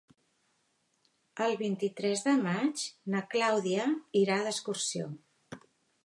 El vint-i-tres de maig na Clàudia irà d'excursió.